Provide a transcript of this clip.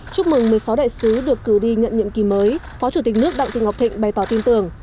chúc mừng một mươi sáu đại sứ được cử đi nhận nhiệm kỳ mới phó chủ tịch nước đặng thị ngọc thịnh bày tỏ tin tưởng